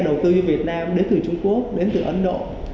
đầu tư như việt nam đến từ trung quốc đến từ ấn độ